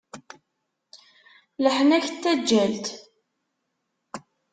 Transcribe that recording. Leḥnak n taǧǧalt!